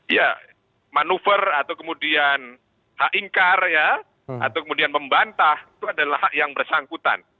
ya manuver atau kemudian hak ingkar ya atau kemudian membantah itu adalah hak yang bersangkutan